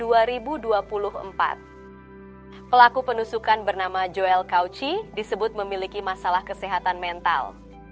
pada tahun dua ribu dua puluh pelaku penusukan bernama joel kauci disebut memiliki masalah kesehatan mental